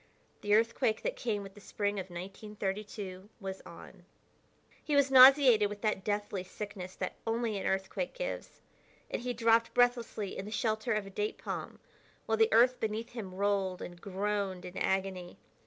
The earthquake that came with the spring of 1932 was on. He was nauseated with that deathly sickness that only an earthquake gives, and he dropped breathlessly in the shelter of a date palm while the earth beneath him rolled and groaned in agony.